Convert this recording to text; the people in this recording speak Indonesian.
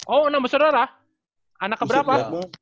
oh enam besodara anak ke berapa